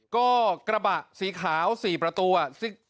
ก็กระบะสีขาว๔ประตูอ่ะ